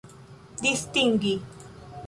distingi